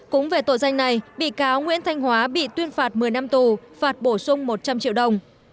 cũng về tội danh này bị cáo nguyễn thanh hóa bị tuyên phạt một mươi năm tù phạt bổ sung một trăm linh triệu đồng